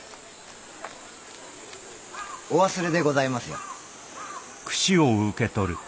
お忘れでございますよ。